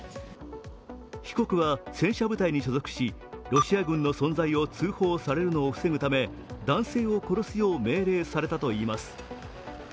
被告は戦車部隊に所属しロシア軍の存在を通報されるのを防ぐため男性を殺すよう命令されたといいます。